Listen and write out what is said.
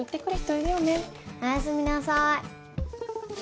おやすみなさい。